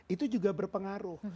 itu juga berpengaruh